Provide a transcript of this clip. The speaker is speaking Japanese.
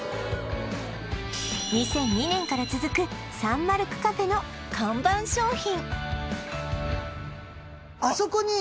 ２００２年から続くサンマルクカフェの看板商品